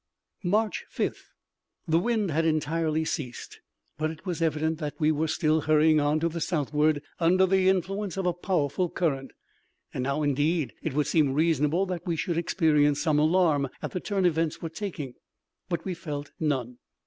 _ _March_5th. The wind had entirely ceased, but it was evident that we were still hurrying on to the southward, under the influence of a powerful current. And now,—indeed, it would seem reasonable that we should experience some alarm at the turn events were taking—but we felt none.